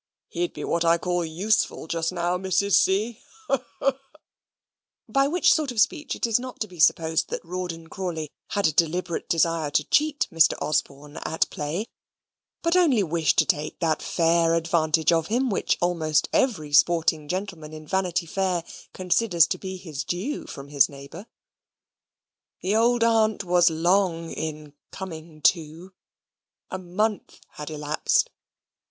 He'd be what I call useful just now, Mrs. C. ha, ha!" by which sort of speech it is not to be supposed that Rawdon Crawley had a deliberate desire to cheat Mr. Osborne at play, but only wished to take that fair advantage of him which almost every sporting gentleman in Vanity Fair considers to be his due from his neighbour. The old aunt was long in "coming to." A month had elapsed.